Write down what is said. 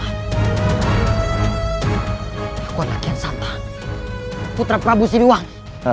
aku adalah kian sama putra prabu siliwang